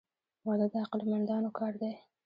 • واده د عقل مندانو کار دی.